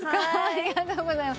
ありがとうございます。